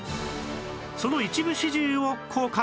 その一部始終を公開